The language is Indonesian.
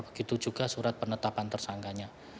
begitu juga surat penetapan tersangkanya